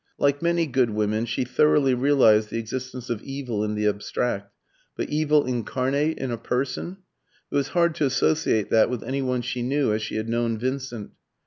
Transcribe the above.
Like many good women, she thoroughly realised the existence of evil in the abstract; but evil incarnate in a person it was hard to associate that with any one she knew as she had known Vincent.